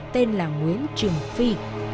tên là nguyễn trường phi